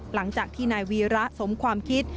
หลังจากที่นายวีระสมความคิด